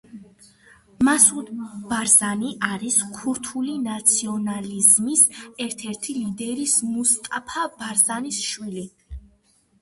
მასუდ ბარზანი არის ქურთული ნაციონალიზმის ერთ-ერთი ლიდერის, მუსტაფა ბარზანის შვილი.